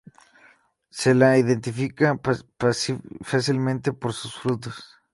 Se la identifica fácilmente por sus frutos.